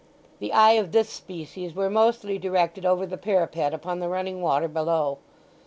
The eye of this species were mostly directed over the parapet upon the running water below.